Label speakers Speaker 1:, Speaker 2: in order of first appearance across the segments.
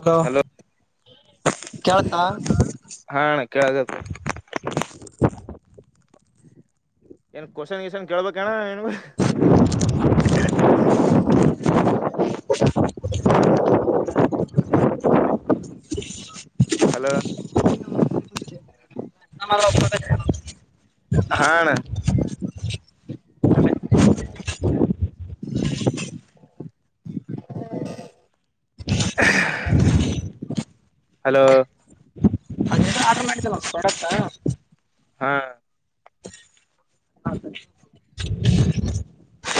Speaker 1: Hello ಕೆಳುತ್ತಾ?
Speaker 2: ಹಾ ಅಣ್ಣ ಕೇಳಗತ್ತ
Speaker 1: [inaudible]
Speaker 2: ಎನು ಕೋಷನ್ ಗಿಷನ್ ಕೇಳ್ಬೇಕನ ಏನ್ [unintelligible]
Speaker 1: [inaudible]
Speaker 2: [unintelligible] ಹಲೋ
Speaker 1: [inaudible]
Speaker 2: ಹಾ ಅಣ ಹಲೋ
Speaker 1: ಆರ್ಡರ್ ಮಾಡಿದಲ್ಲ ಬಡತ್ತಾ?
Speaker 2: ಹಾ
Speaker 1: [inaudible]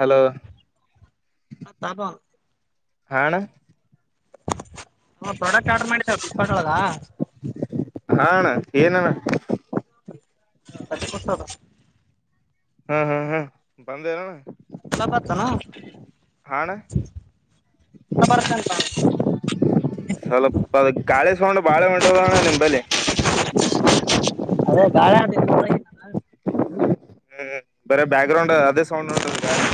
Speaker 2: ಹಲೋ
Speaker 1: ಹ ತಾಪಾ
Speaker 2: ಹಾ ಅಣ.
Speaker 1: ಹ ಪ್ರಾಡಕ್ಟ್ ಆರ್ಡ್ರ್ ಮಾಡಿದ್ದಾ ಫ್ಲಿಪ್ಕಾರ್ಟೊಳಗ.
Speaker 2: ಏನೆನ
Speaker 1: ತರ್ಟಿ ಕೊಡ್ಸ್ ಅದು
Speaker 2: ಹ್ಮ್ ಹ್ಮ್ ಹ್ಮ್ ಬಂದೇನಣ.
Speaker 1: ಚಲೋ ಬರ್ತನ
Speaker 2: ಹಾ ಅಣ್ಣ
Speaker 1: ಚಲೋ ಬರುತ್ತೆ ಅಂತ
Speaker 2: ಸ್ವಲ್ಪ ಅ ಗಾಳಿ ಸೊಂಡು ಬಾಳ ಹೊಂಟದಣ್ಣ ನಿಂಬಲಿ.
Speaker 1: ಅದೇ [unintelligible]
Speaker 2: ಹ್ಮ್ ಬರೇ ಬ್ಯಾಗ್ರೌಂಡ್ ಅದೇ ಸೌಂಡ್ ಒಂಟದ ಗಾಳಿ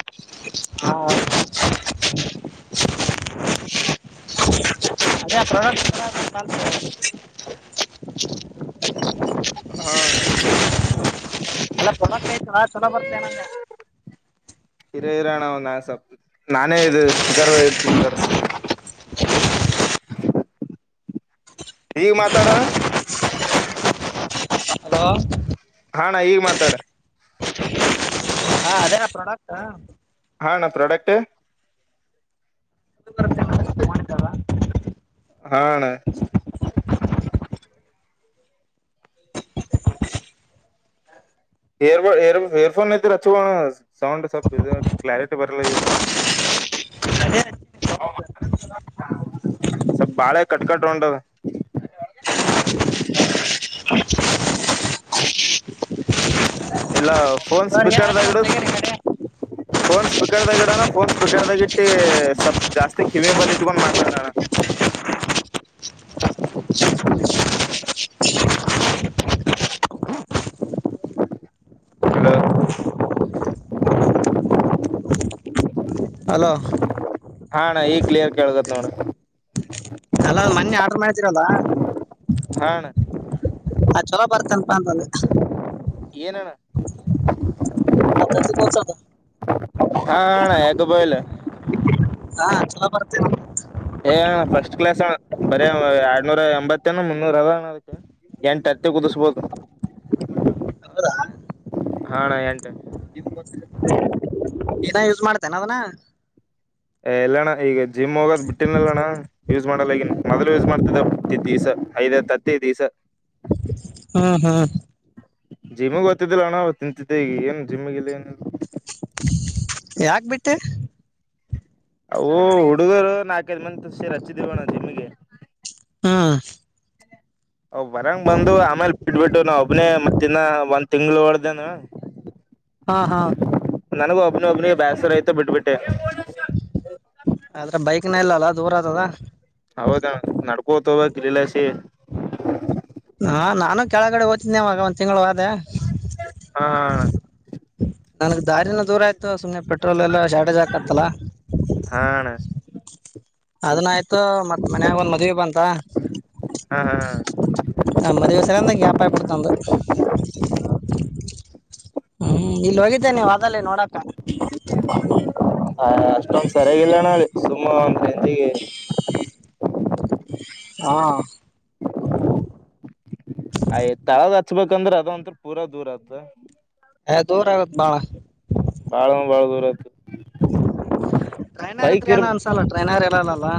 Speaker 1: ಹ [inaudible] [unintelligible]
Speaker 2: ಹ ಅಣ್ಣ.
Speaker 1: ಎಲ್ಲ ಚೊ ಐತಲ್ಲ ಚೊಲೋ ಬರ್ತ್ ಏನ್ ಅಂದೇ.
Speaker 2: ಹಿರ್ ಇರೋಣ ಅವ್ನ ಸ್ವಪ್ ನಾನೆ ಇದು ಸ್ಪೀಕರ್ ದಾಗ್ ಇಟ್ ಮಾತಾಡ್ತನ್.
Speaker 1: ಹಲೋ
Speaker 2: ಹ ಅಣ್ಣ ಈಗ್ ಮಾತಾಡ್.
Speaker 1: ಹಾ ಅದೇ ಪ್ರಾಡಕ್ಟ್.
Speaker 2: ಹಾಣ್ಣ ಪ್ರೊಡಕ್ಟ್.
Speaker 1: [unintelligible]
Speaker 2: ಹ ಅಣ್ಣ. ಇರ್ಬ್ ಇಯರ್ ಇಯರ್ಫೋನ್ಐತಿಲ್ಲ ಅಚ್ಛಬಿಡಣ್ಣ ಸೌಂಡ್ ಸ್ವಪ್ ಇದ್ ಕ್ಲಾರಿಟಿ ಬರ್ಲಿಗ್ಯದ.
Speaker 1: [unintelligible]
Speaker 2: ಸ್ವಪ್ ಬಾಳ ಕಟ್ ಕಟ್ ಒಂಟತ. ಇಲ್ಲ ಫೋನ್
Speaker 1: ಅವ್ರಿಗೆ
Speaker 2: ಸ್ಪೀಕರ್ ದಗ್ ಇಡು
Speaker 1: ತೆಗೀರಿ ಕಡೆ
Speaker 2: ಫೋನ್ ಸ್ಪೀಕರ್ ದಗಿಡನಾ ಫೋನ್ ಸ್ಪೀಕರ್ದಾಗಿ. ಮತ್ತೆ ಸಪ್ ಜಾಸ್ತಿ ಕಿವಿ ಬಲ್ಲಿ ಇಟ್ಟ್ ಇಟ್ಟ್ಕೊಂಡು ಮಾತಡ್ ಅಣ್ಣ. ಹಲೋ
Speaker 1: ಹಲೋ
Speaker 2: ಹಾಣ್ಣ ಈಗ್ ಕ್ಲಿಯರ್ ಕೇಳ್ತದ ನೋಡ್.
Speaker 1: ಆಲ್ ಅಲ್ಲ ಮನ್ನೆ ಆರ್ಡರ್ ಮಾಡ್. ತಿರಲ್ಲ
Speaker 2: ಹಾ ಅಣ್ಣ
Speaker 1: [unintelligible] ಚಲೋ ಬರ್ತೇನ್ಪ ಅಂತ್ ಅಂದೇ.
Speaker 2: ಏನ್ ಅಣ್ಣ.
Speaker 1: [unintelligible]
Speaker 2: ಹಾ ಅಣ್ಣ ಯಾಕ ಬೋಯಲ್
Speaker 1: ಹಾ ಚಲೋ ಬರ್ತೇನ್.
Speaker 2: ಏ ಅಣ್ಣ ಫಸ್ಟ್ ಕ್ಲಾಸ್ ಅಣ್ಣ ಬರೆ ಎರಡ್ನೂರ ಎಂಬತ್ಏನ್ ಮುನ್ನೂರ್ ಅದ ಅಣ್ಣ ಅದಕೆ ಎಂಟ್ ಅತ್ತಿ ಕುದುಸ್ಬೋದು.
Speaker 1: ಹೌದಾ
Speaker 2: ಹಣ್ಣಾ ಎಂಟ್.
Speaker 1: [inaudible] ದಿನ ಯೂಸ್ ಮಾಡ್ತೇನ್ ಅದನ.
Speaker 2: ಎಲ್ಲಣ್ಣ ಈಗ್ ಜಿಮ್ ಹೋಗೋದ್ ಬಿಟ್ಟಿನ್ಲ್ಲ ಅಣ್ಣ ಯೂಸ್ ಮಾಡಲ್ಲಗ್ಯಾನ್. ಮೊದ್ಲು ಯೂಸ್ ಮಾಡ್ತಿದ್ದ [unintelligible] ದಿಸ ಐದ್ ಐದ್ ತತ್ತಿ ದಿಸ.
Speaker 1: ಹ್ಮ್ ಹ್ಮ್
Speaker 2: ಜಿಮ್ಗೊತ್ತಿದ್ದಿಲ್ಲ ಅವಾಗ್ ಅಣ್ಣ ತಿಂತಿದ್ದೆ ಈಗ್ ಏನ್ ಜಿಮ ಇಲ್ಲ ಏನಿಲ್ಲ.
Speaker 1: ಯಾಕ್ ಬಿಟ್ಟೆ.
Speaker 2: ಅವು ಹುಡುಗರು ನಾಕೈದು ಮಂದಿ ಸೇರಿ ಹಚ್ಚಿದೀವಣ್ಣ ಜಿಮ್ಗೆ.
Speaker 1: ಹಾ
Speaker 2: ಅವ್ ಬರಂಗ ಬಂದು ಆಮೇಲೆ ಬಿಟ್ಬಿಟ್ಟು ನಾವೊಬ್ಬನೆ ಮತ್ತಿನ್ನ ಒಂದ್ ತಿಂಗಳು ಒಡ್ದನ.
Speaker 1: ಹಾ ಹಾ
Speaker 2: ಒಬ್ಬನೆ ಬ್ಯಸರೖತಿ ತ ಬಿಟ್ಟ್ ಬಿಟ್ಟೆ.
Speaker 1: ತಿನ್ನ ಇಲ್ಲಲ್ಲಾ ದೂರ ಆದದ.
Speaker 2: ಹೌದ ನಡ್ಕೋತವ ತ್ರಿಲಸಿ. [inaudible]
Speaker 1: ನಾ ನಾನು ಕೆಳಗಡೆ ಓತಿದ್ನೆವಾಗ ಒಂದ್ ತಿಂಗ್ಳ್ ಹೋದೆ.
Speaker 2: ಹಾ
Speaker 1: ನನಗ್ ದಾರಿನು ದೂರ ಆಯ್ತು ಸುಮ್ಮನೆ ಪೆಟ್ರೋಲ್ ಎಲ್ಲ ಶಾರ್ಟೇಜ್ ಆಕತ್ತಲ್ಲ.
Speaker 2: ಹಾ ಅಣ್ಣ
Speaker 1: ಅದನ್ನಾಯ್ತು ಮತ್ ಮನ್ಯಾಗ ಒಂದ್ ಮದ್ವಿ ಬಂತ.
Speaker 2: ಹ್ಮ್ ಹ್ಮ
Speaker 1: ತೆಗಂದ ಗ್ಯಾಪಾಯ್ಬಿಡ್ತ್ನಂದು ಹುಂ ಇಲ್ಲೋಗಿದ್ದೆ ನೀವಾದಲ್ಲಿ ನೋಡಕ
Speaker 2: ಹ ಅಷ್ಟೊಂದ್ ಸರಿಗಿಲ್ಲಣಿ. ಸುಮ್ಮ [unintelligible]
Speaker 1: ಹಾ
Speaker 2: ಅಯ್ ತಳದ ಹಚ್ಬೇಕಂದ್ರೆ ಅದೊ ಅಂತ್ರು ಪೂರಾ ದೂರ ಆತದೆ.
Speaker 1: ಏ ದೂರ ಆಗತ್ ಬಾಳ.
Speaker 2: ಬಾಳಂದ್ಬಾಳ ದೂರ ಆಯ್ತೆ.
Speaker 1: ಟ್ರೈನರ್ ಇದ್ದ್ರೇನೂ ಅನ್ಸಲ್ಲ ಟ್ರೈನರ್ ಲ್ಲಲ್ಲ.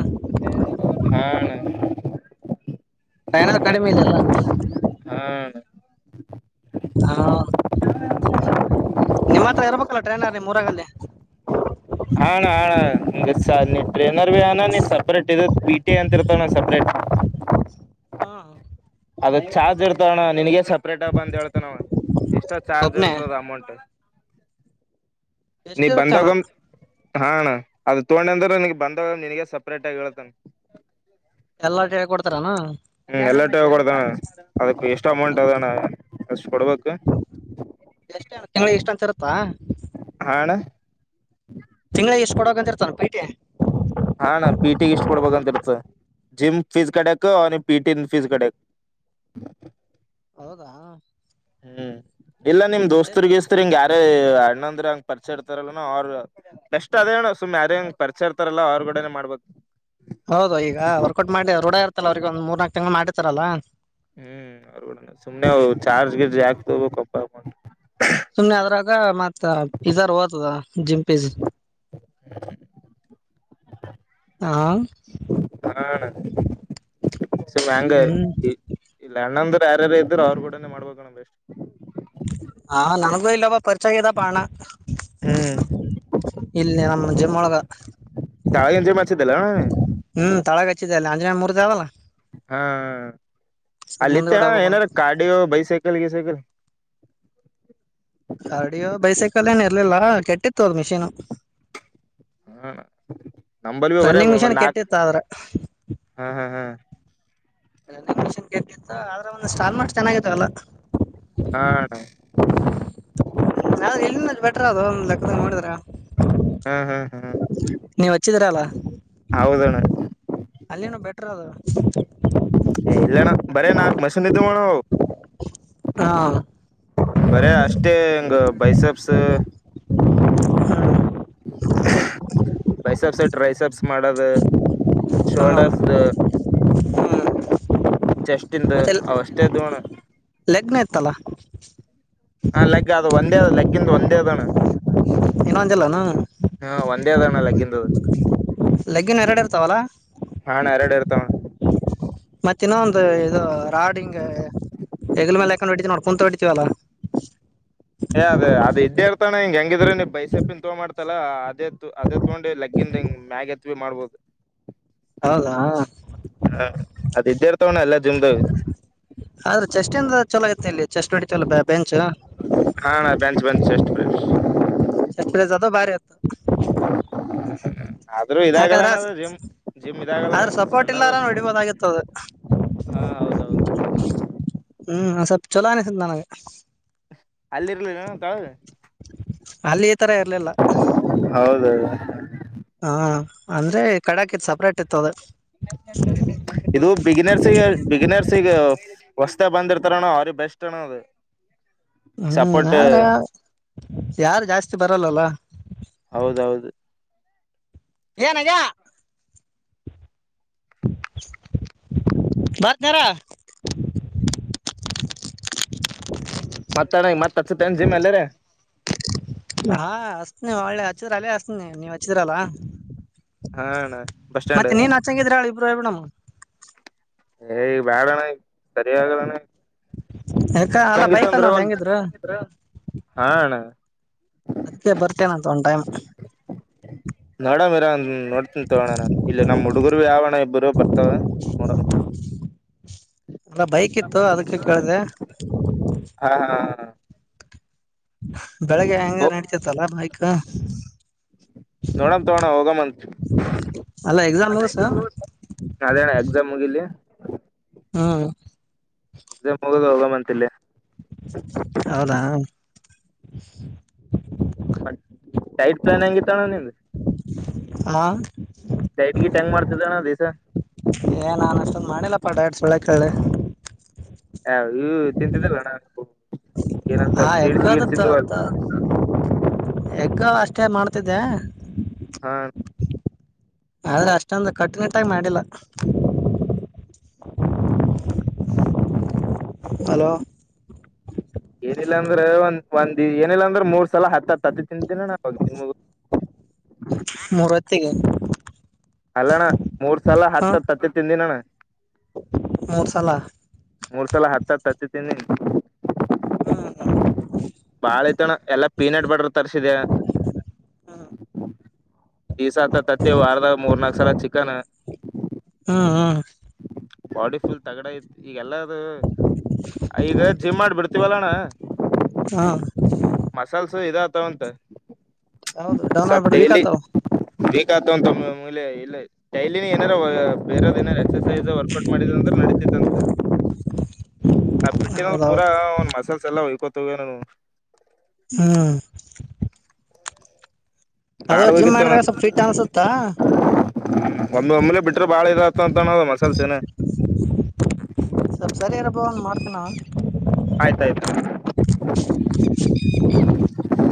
Speaker 2: ಹ ಹ ಅಣ.
Speaker 1: ಟ್ರೖನರ್ ಕಡಿಮೆ ಇದೆಲ್ಲ.
Speaker 2: ಹಾ ಅಣ.
Speaker 1: ಹಾ ನಿಮ್ಮತ್ರ ಇರ್ಬೇಕಲ್ಲ ಟ್ರೈನರ್ ನಿಮ್ಮೂರಾಗಲ್ಲಿ.
Speaker 2: ಸ ನೀ ಟ್ರೈನ್ ನರ್ವೇಯಾನ ನೀ ಸಪರೇಟ್ ಇರುತ್ ಬಿ ಕೆ ಅಂತಿರ್ತಣ ಸಪ್ರೇಟ್.
Speaker 1: ಹಾ
Speaker 2: ಅದಕ್ಕೆ ಚಾರ್ಜ್ ಇರ್ತೋವಣ್ಣ ನಿನಗೆ ಸಪ್ ಪ್ರೇಟಾಗ್ ಬಂದ್ ಹೇಳ್ತನವ ಎಷ್ಟೊ ಚಾರ್ಜ್
Speaker 1: ಒಬ್ನೇ
Speaker 2: ಇರ್ತದಮೌಂಟು.
Speaker 1: ಎಷ್ಟಿರುತ್ತನ?
Speaker 2: ಬಂದಾಗಮ್ ಹಾ ಅಣ ಅದು ತಗೊಂಡ ಅಂದ್ರೆ ನೀನ್ಗ್ ಬಂದಾಗ ನಿನಗ ಸಪ್ರೇಟ್ ಆಗಿ ಹೇಳತನ್.
Speaker 1: ಎಲ್ಲಾಟ ಹೇಳ್ಕೊಡ್ತಾರಾನ?
Speaker 2: ತಗೋಣ ಅಷ್ಟು ಕೊಡ್ಬೇಕು.
Speaker 1: ತಿಂಗಳಿಗೆ ಇಷ್ಟಂತ ಇರುತ್ತಾ?
Speaker 2: ಹಾ ಣ.
Speaker 1: ತಿಂಗ್ಳೆ ಇಷ್ಟು ಕೊಡೋಗಂತಿರ್ತಾನ ಪಿ ಟಿ.
Speaker 2: ಹಾ ಣ ಪಿ ಟಿಗಿಷ್ಟ್ ಕೊಡ್ಬೇಕಂತ ಇರ್ತ ಜಿಮ್ ಫೀಸ್ ಕಡೆಕು ಅವನ್ಗ್ ಪಿ ಟಿನ್ ಫೀಸ್ ಕಡೆಕ್
Speaker 1: ಹೌದಾ?
Speaker 2: ಹ್ಮ್ ಇಲ್ಲ ನಿಮ್
Speaker 1: ಎಷ್ಟ?
Speaker 2: ದೋಸ್ತ್ರು ಗೀಸ್ತ್ರು ಹಿಂಗ ಯಾರೆ ಅಣ್ಣಂದ್ರ ಹಂಗ್ ಪರಿಚಯ ಇರ್ತಾರಲ್ಲ ಅವ್ರು ಬೆಸ್ಟ್ ಅದೇಣ ಸುಮ್ ಯಾರ ಹಂಗ್ ಪರಿಚಯ ಇರ್ತಾರಲ್ಲಾ ಅವ್ರಗೂಡನೆ ಮಾಡ್ಬಬೇಕ್.
Speaker 1: ಹೌದು ಈಗ ವರ್ಕೌಟ್ ಮಾಡಿ ರೋಡಿ ತ್ತಲ ಅವ್ರಿಗೆ ಒಂದು ಮೂರ್ನಾಕು ತಿಂಗಳು ಮಾಡಿರ್ತಾರಲ್ಲ
Speaker 2: ಹ್ಮ್ ಕಪ್ಪ [unintelligible]
Speaker 1: ಸುಮ್ಮ್ನೆ ಅದ್ರಾಗ ಮತ್ತ ಫೀಜಾರ್ ಓತದ ಜಿಮ್ ಫೀಸ್.
Speaker 2: ಹ್ಮ [unintelligible]
Speaker 1: ಹ
Speaker 2: ಹ ಣ ಸುಮ್ಮಂಗೆ
Speaker 1: ಹ್ಮ್
Speaker 2: ಇಲ್ಲಂಣಂದಿರ್ ಬೇರೆರ ಇದ್ದರು ಅವರು ಕೂಡನೆ ಮಾಡ್ಬಬೇಕಣ ಬೆಸ್ಟು.
Speaker 1: ಹಾ ಲಾಭ ಇಲ್ಲಪಾ ಪರ್ಚಗಿದ್ದಪ್ಪ ಹಣ.
Speaker 2: ಹ್ಮ್
Speaker 1: ನಮ್ ಜಿಮ್ ಒಳಗ
Speaker 2: ತಾಳಿಅಂಜಿ ಮಾಡ್ಸಿದೆಲ್ಲೊ
Speaker 1: ತಾಳಗಚ್ಚಿದ್ದಲ್ಲ ಅಂಜನೆ ಮೂರ್ದಾವಲ್ಲ.
Speaker 2: ಹಾ
Speaker 1: ಸ್ವಲ್ಪ ಮುಂದ್ಗಡೆ
Speaker 2: ಅಲ್ಲಿತ್ತೇನು
Speaker 1: ಹೋಗ್ಬೇಕು ಅಂತ
Speaker 2: ಏನಾರ ಕಾರ್ಡಿಯೋ ಬೈಸೈಕಲ್ ಗಿಸೈಕಲ್.
Speaker 1: ಕಾರ್ಡಿಯೋ ಬೈಸೈಕಲ್ ಏನ ಇರ್ಲಿಲ್ಲ ಕೆಟ್ಟಿತ್ತ್ ತ್ತು ಅವ್ರ್ ಮಿಷೀನು.
Speaker 2: ನಂಬಲ್ಲಿವೆ ಬರೆ ಒಂದ್ನಾಕ್ ಹ್ ಹ ಹ್ಮ.
Speaker 1: ರನ್ನಿಂಗ್ ಮಿಷನ್ ಕೆಟ್ಟಿತ್ತು ಆದ್ರೆ ಒಂದ್ ಸ್ಟಾಲ್ ಮಾರ್ಟ್ ಚೆನ್ನಾಗಿತ್ತು ಅಲ್ಲಾ. [inaudible]
Speaker 2: ಹಾ ಅಣ್ಣ
Speaker 1: ಎಲ್ಲಿಂದ [unintelligible] ಒಂದು ಲೆಕ್ಕದ ನೋಡಿದ್ರ.
Speaker 2: ಹಾ ಹಾ ಹಾ
Speaker 1: ನೀವ್ ಹಚ್ಚಿದ್ರಲ್ಲ.
Speaker 2: ಹೌದಣ್ಣ.
Speaker 1: ಅಲ್ಲೇನೊ ಬೆ ಟ್ರದು
Speaker 2: ಏ ಇಲ್ಲಣ್ಣ ಬರೇ ನಾಕ್ ಮಷೀನ್ ಇದ್ದವ್ಣ
Speaker 1: ಹಾ
Speaker 2: ಬರೆ ಅಷ್ಟೇ ಹಂಗ ಬೈಸಪ್ಸ್ ಅಹ್ ಬೈಸಾಪ್ ಸೇಟ್. ಟ್ರೈ ಸಪ್ಸ್ ಮಾಡದ.
Speaker 1: ಹಾ ಹ್ಮ್
Speaker 2: ಶೋಲ್ಡರ್ಸ್ ದು. ಚೆಸ್ಟಿಂದ
Speaker 1: ಮತ್ತೆ ಎಲ್
Speaker 2: ಅವಷ್ಟೇ ಇದ್ದವಣ
Speaker 1: ಲೆಗ್ನ ಇತ್ತಲ್ಲಾ. [inaudible]
Speaker 2: ಆ ಲೆಗ್ಗ ಅದು ಒಂದೇ ಆದದ. ಕ್ಕಿಂದ ಒಂದೇ ಆದಾಣ
Speaker 1: ಇನ್ನೊಂದಿಲ್ಲನು
Speaker 2: ಹಾ ಒಂದೆ ಅದಾಣ ಲಗ್ಗಿನ್ದು
Speaker 1: ಲೆಗ್ಗಿನ ಎರಡು ಇರ್ತಾವಲ್ಲ
Speaker 2: ಹಾ ಅಣಾ ಎರಡ ಇರ್ತಾವ.
Speaker 1: ಮತ್ತ ಇನ್ನು ಒಂದು ಇದು ರಾಡ್ ಹಿಂಗ ಹೆಗ್ಲ ಮೇಲೆ ಹಾಕೊಂಡ್ ಹೊಡ್ತಿವಿ ನೋಡ್ ಕುಂತ ಹೊಡ್ತಿವಲ್ಲಾ.
Speaker 2: ಎ ಅದ ಅದು ಇದ್ದೇರ್ತಣ ಹಿಂಗ ಹೆಂಗ. ಕ್ಕಿದ್ರು ನೀ ಬೈಸೆಪಿನ್ ತ್ತೊ ಮಾಡ್ತಲ್ಲಾ ಅದೇತ್ತು ಅದೇ ತೊಗೊಂಡಿ ಲಗ್ಗಿನ್ ಹಿಂಗ ಮ್ಯಾಗ ಎತ್ವಿ ಮಾಡ್ಬೋಕ.
Speaker 1: ಹೌದಾ
Speaker 2: ಹ ಅದ ಇದ್ಯರ್ ತವಣ ಎಲ್ಲದ. ಜಿಂದಾವಿ.
Speaker 1: ಆದ್ರೆ ಚೆಸ್ಟಿಂದ ಛಲೋ ಆಗತ್ತ ಎಲ್ಲಿ. ಚೆಸ್ಟ ಹೊಡಿತ್ವಿ ಅಲ್ ಅಪ್ಪ್ಯಾ ಬೆಂಚು.
Speaker 2: ಬಸ್.
Speaker 1: ಚಷ್ಟಪ್ರೇ ಝಾದಾ ಭಾರಿ ಆತ್ತೊ.
Speaker 2: [unintelligible] ಆದ್ರೂ ಇದಾಗಲ್ಲಣ ಅದ ಜಿಮ್ ಜಿಮ್ ಇದಾಗಲ್ಲಣ್ಣ
Speaker 1: ಆದ್ರ ಸಪೋರ್ಟ್
Speaker 2: ಸಣ್ಣದು
Speaker 1: ಇಲ್ಲಾರ ಹೊಡಿಬೋದಾಗಿತ್ತು ಅದು
Speaker 2: ಹಾ ಹೌದೌದು.
Speaker 1: ಛೊಲೋ ಅನಿಸನ್ ನನಗ.
Speaker 2: ಅಲ್ಲಿ ಇರ್ಲಿಲ್ಲ ಏನ ತಳಗ
Speaker 1: ಅಲ್ಲಿ ಈ ತರ ಇರ್ಲಿಲ್ಲ
Speaker 2: ಹೌದ [unintelligible]
Speaker 1: ಹಾ ಅಂದ್ರೆ ಕಡಕ ಇತ್ ಸಪ್ರೇಟ್ ಇತ್ತ ಅದ.
Speaker 2: ಇದು ಬಿಗೆನೆರ್ಸಿಗೆ ಬಿಗಿನರ್ಸಿಗೆವ. ಹೊಸ್ತಾಗಿ ಬಂದಿರ್ತಾರಣ ಅವ್ರಿಗ ಬೆಸ್ಟ್ ಅಣ ಅದು.
Speaker 1: ಹ್ಮ್
Speaker 2: ಸಪೋರ್ಟ್
Speaker 1: ಆದ್ರೆ ಯಾವ್. ಯಾರ್ ಜಾಸ್ತಿ ಬರಲ್ಲಲ್ಲ.
Speaker 2: ಹೌದ ಹೌದು.
Speaker 1: ಏನಾಗ್ಯಾ. ಬಾತ್ ಕರ.
Speaker 2: ಮತ್ತಣೈ ಮತ್ತ್ ಹಚ್ಚತ್ಣ ಜಿಮ್ ಎಲ್ಲೇರೆ.
Speaker 1: ಹಾ ಹಸ್ನ್ವಿ ಹೊಳ್ಳೆ ಹಚ್ಚಿದ್ರ ಅಲ್ಲೇ ಹಸ್ನಿ ನೀವ್ ಹಚ್ಚಿದ್ರ ಅಲ್ಲಾ.
Speaker 2: ಹಾ ಅಣ ಬಸ್ ಸ್ಟ್ಯಾಂಡ.
Speaker 1: [unintelligible] ಬಿಡಾಮ್.
Speaker 2: ಏ ಬ್ಯಾಡಣ್ಣ್ ಈಗ್ ಸರಿ ಆಗ್ಲಣ್ಣ ಈಗ್.
Speaker 1: ಯಾಕ ಅಲ್ಲ ಬೈಕ್ ಅನ್ನೊಂದ್ ಹೆಂಗಿದ್ರು
Speaker 2: [unintelligible] ಹಾಣ್ಣ.
Speaker 1: ಅದ್ಕ್ಕೆ ಬರ್ತಿ ಏನ್ ಅಂತ ಒಂದ್ ಟೈಮ್.
Speaker 2: ನೋಡಮ್ ಇರು ನೋಡ್ತನ್ ತೋಗೋ ನಾನು ಇಲ್ಲಿ ನಮ್ಮ್ ಹುಡುಗರು ಯಾವ್ವಣ್ಣ ಇಬ್ಬರು ಬರ್ತಾವ ನೋಡನ್
Speaker 1: ಅಲ್ಲ ಬೈಕ್ ಇತ್ತು ಅದಕ್ಕೆ ಕೇಳಿದೆ
Speaker 2: ಹಾ ಹಾ.
Speaker 1: [unintelligible] ಬೆಳಗ್ಗೆ ಹೆಂಗ್ರ ನಡತೈತಲ್ಲಾ. ಕ್ಕಾ.
Speaker 2: ನೋಡಾಮ್ ತೊಗೊಣ್ಣ ಹೋಗಮ್ಮ್ ಅಂತ್
Speaker 1: ಅಲ್ಲ ಎಕ್ಸಾಮ್ ಮುಗಸು
Speaker 2: ಅದೇಣ್ಣ ಎಕ್ಸಾಮ್ ಮುಗಿಲಿ.
Speaker 1: ಹ್ಮ
Speaker 2: ಎಕ್ಸಾಮ್ ಮುಗುದ್ ಹೋಗಮ್ ಅಂ. ತಿಲ್ಲಿ.
Speaker 1: ಹೌದಾ [inaudible]
Speaker 2: ಟೈಪ್ ಲೈನ್ ಹೆಂಗಿತ್ ಅಣ್ಣ ನಿಂದು.
Speaker 1: ಹ
Speaker 2: ಡೈಟ್ ಗಿಟ ಹೆಂಗ್ ಮಾಡ್ತಿದ್ದಣ್ಣ ದಿಸ.
Speaker 1: ಏ ನಾನ್ ಅಷ್ಟೊಂದು ಮಾಡಿಲ್ಲಪ್ಪಾ ಡಯೇಟ್ ಸಳ್ ಯಾಕೇಳಿ.
Speaker 2: ಹ ಇ ತಿಂತಿದ್ದಲ್ಲ ಅಣ್ಣ [unintelligible]
Speaker 1: ಹಾ ಹೆಂಗದ ತತ್ತ. ಹೆಗ್ಗ ಅಷ್ಟೇ ಮಾಡ್ತಿದ್ದೆ.
Speaker 2: ಹಾ
Speaker 1: ಆದ್ರೆ ಅಷ್ಟೊಂದು ಕಟ್ಟನಿಟ್ಟಾಗಿ ಮಾಡಿಲ್ಲ. ಹಲೋ
Speaker 2: ಏನಿಲ್ಲಾಂದ್ರೆ ಒಂದ್ ಒಂದ ಏನಿಲ್ಲಾಂದ್ರೆ ಮೂರ್ ಸಲ ಹತ್ತತ್. ತತ್ತಿ ತಿಂತಿನ್ ಅಣ್ಣ [unintelligible]
Speaker 1: ಮೂರೊತ್ತಿಗೆ
Speaker 2: ಅಲ್ಲಣ್ಣ ಮೂರ್ ಸಲ
Speaker 1: ಹ
Speaker 2: ಹತ್ ಹತ್ ತತ್ತಿ ತಿಂದಿನ್ ಅಣ್ಣ.
Speaker 1: ಮೂರ್ ಸಲ
Speaker 2: ಮೂರ್ ಸಲ ಹತ್ ಹತ್ ತ್ತತಿ ತಿಂದಿನಿ.
Speaker 1: ಹ್ಮ್
Speaker 2: ಬಲೈತ್ ಅಣ್ಣ ಎಲ್ಲಾ ಪೀನಟ್ ಬಟರ್ ತರ್ಸಿದೆ ದಿಸತ್ ತತ್ತಿ ವಾರದ ಮೂರ್ನಾಕ್ ಸಲ ಚಿಕನ್.
Speaker 1: ಹ್ಮ್ ಹ್ಮ್
Speaker 2: ಬಾಡಿ ಫುಲ್ ತಗಡ ಐತ್. ಈಗೆಲ್ಲ. ಹೂ ಈಗ ಜಿಮ್ ಮಾಡ ಬಿಡ್ತೀವಲ್ಲಣ್ಣ
Speaker 1: ಹಾ
Speaker 2: ಮಸಲ್ಸ್ ಇದ. ತ್ತವ್ ಅಂತೆ.
Speaker 1: ಹೌದು ಡೌನ್ ಆಗ್ಬಿಡ್ ವಿಕಆತಾವ.
Speaker 2: ಬೇಕಾತಂತುಮುಲೇ ಇಲ್ಲ ಶೈಲಿನ ಏನ. ತ್ತವ ಬೇರೆದ ಏನಲೆಚ್. ಎಕ್ಸ್ ಸೈಝು ವರ್ಕೌಟ್ ಮಾಡಿದಂದ್ರೆ ನಡೀತೈತ್ತಂತೆ. ನಾ ಬಿಟ್ಟೆನ್ನಲ್ಲ ಪೂರಾ
Speaker 1: ಹೌದೌದು
Speaker 2: ಅವ್ನ ಮಸಲ್ಸ ಎಲ್ಲಾ ಹೊಯ್ಕೋತ್. ತ್ತುವೆ ನನವು.
Speaker 1: ಹ್ಮ್. ಅದ ಜಿಮ್
Speaker 2: ಮಾಡ್ಬೇಕಿತ್ತಣ
Speaker 1: ಮಾಡಿದ್ರೆ ಸ್ವಲ್ಪ ಫಿಟ್ ಅನ್ಸುತ್ತಾ.
Speaker 2: [inaudible] ಒಂಮ್ಮಿ ಒಂಮ್ಮಿಲೆ ಬಿಟ್ರೆ ಬಾಳ ಇದ್ ಆತ ಅಂತೋನ ಮಸಲ್ಸಿನೆ.
Speaker 1: ಇನ್ನಾ.
Speaker 2: ಆಯ್ತ ಆಯ್ತು.